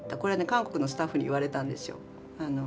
韓国のスタッフに言われたんですよ。